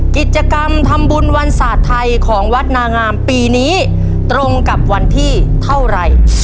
กิจกรรมทำบุญวันศาสตร์ไทยของวัดนางามปีนี้ตรงกับวันที่เท่าไหร่